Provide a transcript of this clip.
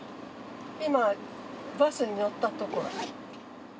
今バスに乗ったところ。